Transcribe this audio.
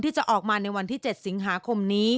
จะออกมาในวันที่๗สิงหาคมนี้